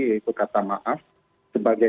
yaitu kata maaf sebagai